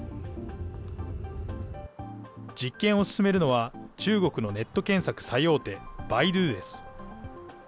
実験を進めるのは、中国のネット検索最大手、百度です。